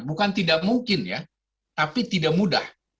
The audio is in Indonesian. bukan tidak mungkin ya tapi tidak mudah